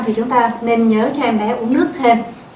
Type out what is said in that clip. thì chúng ta nên nhớ cho em bé uống nước thêm